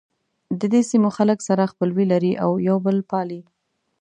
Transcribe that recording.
ددې سیمو خلک سره خپلوي لري او یو بل پالي.